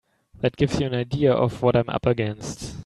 That gives you an idea of what I'm up against.